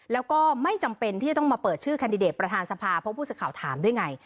แล้วก็ไม่จำเป็นที่จะต้องมาเปิดชื่อแคนดิเดตประธานสภาเพราะผู้สื่อข่าวถามด้วยไง